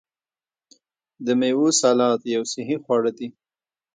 د میوو سلاد یو صحي خواړه دي.